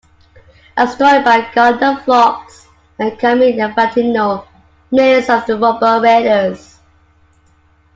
A story by Gardner Fox and Carmine Infantino, Menace of the Robot Raiders!